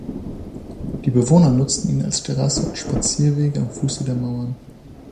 Die Bewohner nutzten ihn als Terrasse und Spazierweg am Fuße der Mauern.